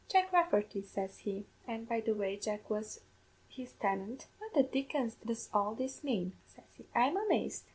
"'Jack Rafferty,' says he and, by the way, Jack was his tenant 'what the dickens does all this mane?' says he; 'I'm amazed!'